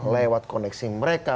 lewat koneksi mereka